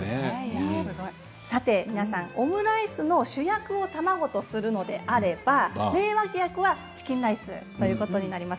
さて皆さんオムライスの主役を卵とするのであれば名脇役はチキンライスということになります。